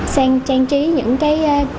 sang trang trí những cái